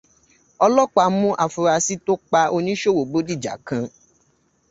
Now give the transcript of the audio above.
Ọlọ́pàá mú afurasí tó pa oniṣowo Bódìjà kan.